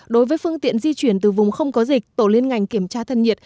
đối với phương tiện di chuyển từ vùng không có dịch tổ liên ngành kiểm tra thân nhiệt